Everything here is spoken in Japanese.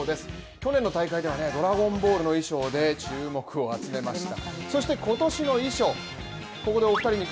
去年の大会では「ドラゴンボール」の衣装で注目を集めました。